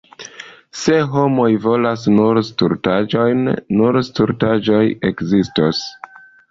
Se homoj volas nur stultaĵojn, nur stultaĵoj ekzistos.